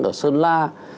ở sơn lan